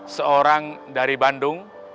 seorang dari bandung